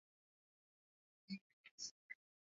Belarus Ukraine Georgia Azerbaijan Kazakhstan China